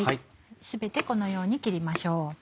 全てこのように切りましょう。